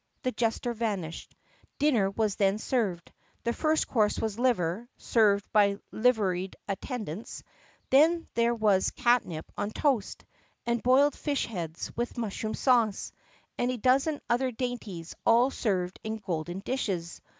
The jester vanished. Dinner was then served. The first course was liver (served by liveried attendants) . Then there was catnip on toast. And boiled fish heads, with mushroom sauce. And a dozen other dainties, all served in golden dishes.